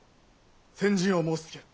先陣を申しつける。